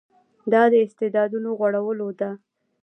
دا د استعدادونو غوړولو ده.